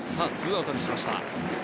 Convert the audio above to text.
２アウトにしました。